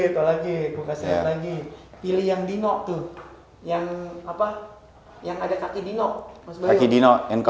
yang apa yang ada kaki dino